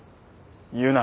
言うな。